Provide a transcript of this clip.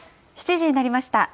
７時になりました。